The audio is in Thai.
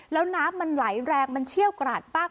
แล้วน้ำมันไหลแรงมันเชี่ยวกราดมาก